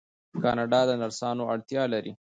کاناډا د نرسانو اړتیا لري.